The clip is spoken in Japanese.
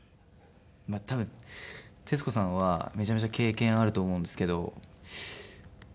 まあ多分徹子さんはめちゃめちゃ経験あると思うんですけど。